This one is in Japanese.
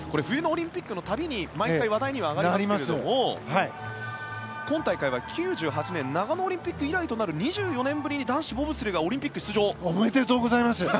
冬のオリンピックの度に毎回話題にはなりますが今大会は９８年長野オリンピック以来となる２４年ぶりに男子ボブスレーがオリンピック出場。おめでとうございます。